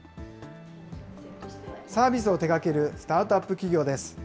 サービスを手がけるスタートアップ企業です。